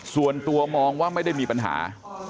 ส่วนตัวมองว่าไม่ได้มีปัญหา